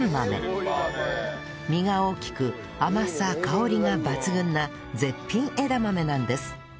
実が大きく甘さ香りが抜群な絶品枝豆なんです